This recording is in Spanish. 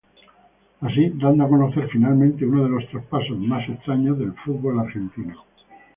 Así, dando a conocer finalmente, uno de los traspasos más extraños del fútbol argentino.